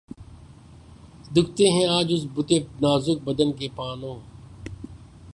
دکھتے ہیں آج اس بتِ نازک بدن کے پانو